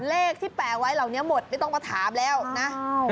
เลขที่แปะไว้เหล่านี้หมดไม่ต้องมาถามแล้วนะ